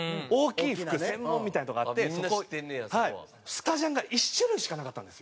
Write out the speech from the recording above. スタジャンが１種類しかなかったんですよ。